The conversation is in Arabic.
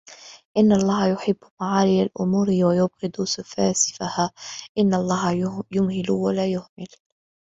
إن الله يحب معالي الأمور ويبغض سفاسفها إن الله يمهل ولا يهمل